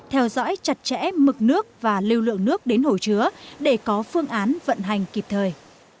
theo dõi chặt chẽ mực nước và lưu lượng nước đến hồ chứa để có phương án vận hành kịp thời